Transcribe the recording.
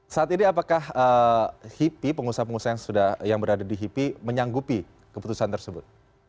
saat ini apakah hipi pengusaha pengusaha yang berada di hipi menyanggupi keputusan tersebut